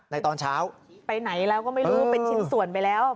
ตอนเช้าไปไหนแล้วก็ไม่รู้เป็นชิ้นส่วนไปแล้ว